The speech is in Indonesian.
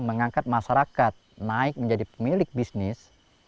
mengangkat masyarakat naik menjadi pemilik bisnis